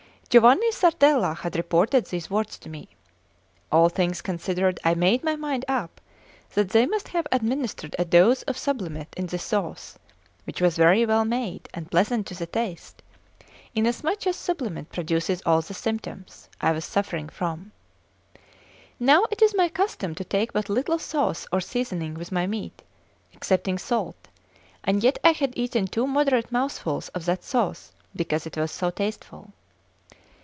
Giovanni Sardella had reported these words to me. All things considered, I made my mind up that they must have administered a dose of sublimate in the sauce, which was very well made and pleasant to the taste, inasmuch as sublimate produces all the symptoms. I was suffering from. Now it is my custom to take but little sauce or seasoning with my meat, excepting salt; and yet I had eaten two moderate mouthfuls of that sauce because it was so tasteful.